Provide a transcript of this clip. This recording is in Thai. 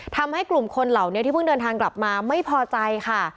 ทำให้กลุ่มคนเหล่านี้ที่เพิ่งเดินทางกลับมาไม่พอใจค่ะ